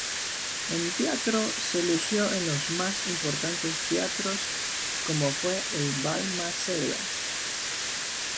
En teatro se lució en los más importantes teatros como fue el Balmaceda.